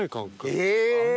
え！